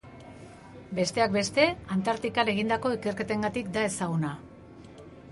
Besteak beste, Antartikan egindako ikerketengatik da ezaguna.